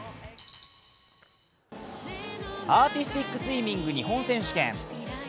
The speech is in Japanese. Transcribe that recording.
アーティスティックスイミング日本選手権。